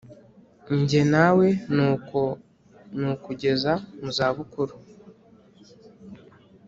Njye nawe nuko nukugeza muzabukuru